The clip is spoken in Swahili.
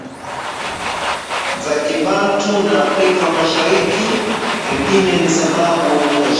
za Kibantu za Afrika Mashariki pengine ni sababu tosha